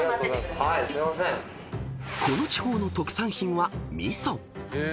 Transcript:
［この地方の特産品は］